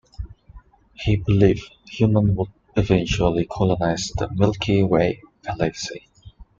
He believed humans would eventually colonize the Milky Way galaxy.